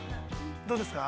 どうですか？